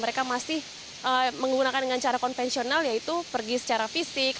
mereka masih menggunakan dengan cara konvensional yaitu pergi secara fisik